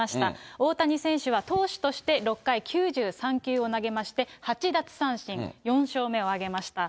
大谷選手は投手として６回９３球を投げまして、８奪三振、４勝目を挙げました。